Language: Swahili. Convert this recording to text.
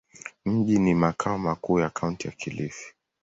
Mji ni makao makuu ya Kaunti ya Kilifi.